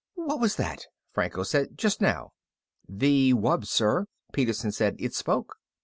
"What was that?" Franco said. "Just now." "The wub, sir," Peterson said. "It spoke."